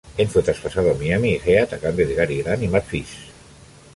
En fue traspasado a Miami Heat a cambio de Gary Grant y Matt Fish.